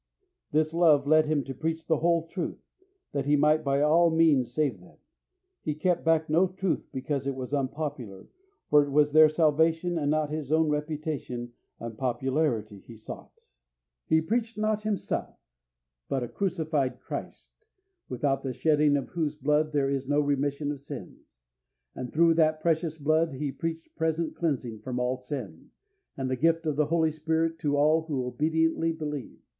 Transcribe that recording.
This love led him to preach the whole truth, that he might by all means save them. He kept back no truth because it was unpopular, for it was their salvation and not his own reputation and popularity he sought. He preached not himself, but a crucified Christ, without the shedding of whose blood there is no remission of sins; and through that precious blood he preached present cleansing from all sin, and the gift of the Holy Spirit for all who obediently believe.